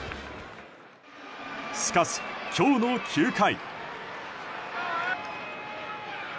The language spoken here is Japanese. しかし、今日の９回。